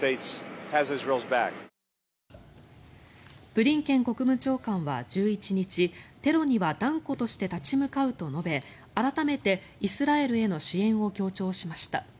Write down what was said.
ブリンケン国務長官は１１日テロには断固として立ち向かうと述べ改めてイスラエルへの支援を強調しました。